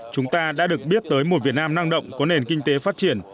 chúng ta đã được biết tới một việt nam năng động có nền kinh tế phát triển